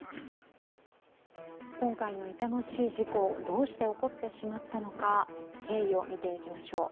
今回の痛ましい事故、どうして起こってしまったのか経緯を見ていきましょう。